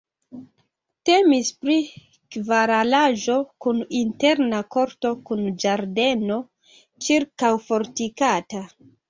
Temis pri kvaralaĵo kun interna korto kun ĝardeno ĉirkaŭfortikata.